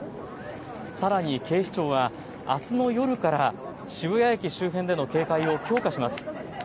さらに警視庁は、あすの夜から渋谷駅周辺での警戒を強化します。